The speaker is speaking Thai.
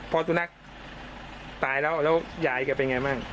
พ่อสุดนักตายแล้วแล้วหญ้าอีกจะเป็นยังไงบ้าง